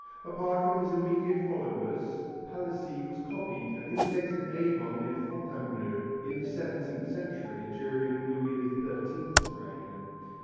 Apart from his immediate followers, Palissy was copied and imitated at Avon near Fontainebleau in the seventeenth century during Louis XIII reign.